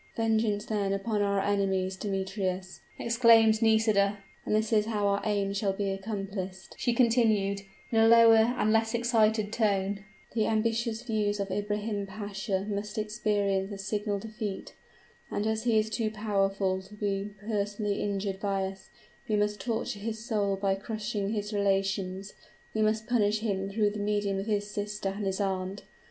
"Vengeance, then, upon our enemies, Demetrius!" exclaimed Nisida. "And this is how our aims shall be accomplished," she continued, in a lower and less excited tone: "The ambitious views of Ibrahim Pasha must experience a signal defeat; and as he is too powerful to be personally injured by us, we must torture his soul by crushing his relations we must punish him through the medium of his sister and his aunt.